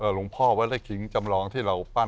หลวงพ่อวะได้แคร้งจำลองที่เราปั้น